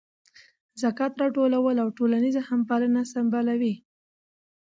ذکات راټولول او ټولنیزه همپالنه سمبالول دي.